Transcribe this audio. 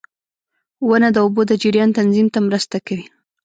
• ونه د اوبو د جریان تنظیم ته مرسته کوي.